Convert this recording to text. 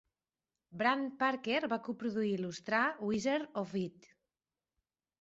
Brant Parker va coproduir i il·lustrar "Wizard of Id".